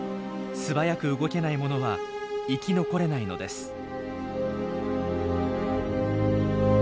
素早く動けない者は生き残れないのです。